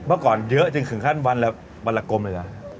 เมื่อก่อนเยอะจริงขั้นวันแล้ววันละกรมหรือเปล่า